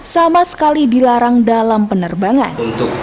sama sekali dilarang dalam penerbangan